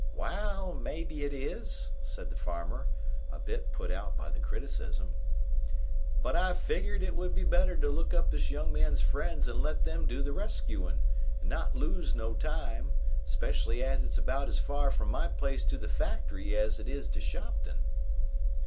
"Waal, maybe it is," said the farmer, a bit put out by the criticism. "But I figgered it would be better to look up this young man's friends and let them do the rescuin', and not lose no time, 'specially as it's about as far from my place to the factory as it is to Shopton."